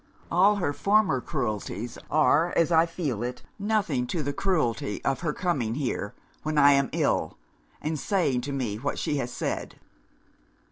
All her former cruelties are, as I feel it, nothing to the cruelty of her coming here when I am ill, and saying to me what she has said.